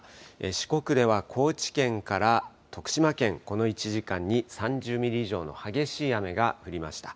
四国では高知県から徳島県、この１時間に３０ミリ以上の激しい雨が降りました。